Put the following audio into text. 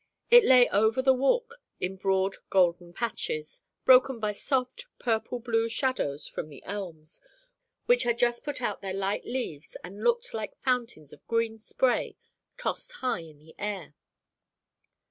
It lay over the walk in broad golden patches, broken by soft, purple blue shadows from the elms, which had just put out their light leaves and looked like fountains of green spray tossed high in air.